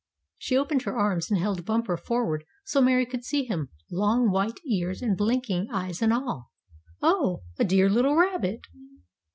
She opened her arms, and held Bumper forward so Mary could see him, long, white ears and blinking eyes and all. "Oh! A dear little rabbit!"